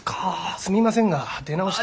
すみませんが出直して。